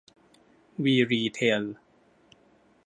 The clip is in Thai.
วีรีเทล